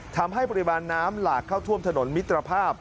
ทำให้ปริมาณน้ำหลากเข้าท่วมถนนมิตรภาพ